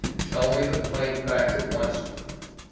"Tell me the plain fact at once, woman."